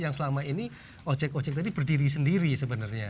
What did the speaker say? yang selama ini ojek ojek tadi berdiri sendiri sebenarnya